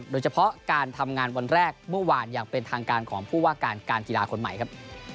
โดยเฉพาะการทำงานวันแรกเมื่อวานอย่างเป็นทางการของผู้ว่าการการกีฬาคนใหม่ครับ